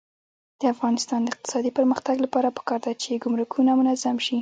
د افغانستان د اقتصادي پرمختګ لپاره پکار ده چې ګمرکونه منظم شي.